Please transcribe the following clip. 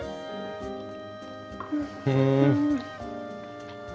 うん。